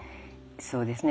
そうですね。